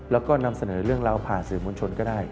แล้วก็นำเสนอเรื่องราวผ่านสื่อมวลชนก็ได้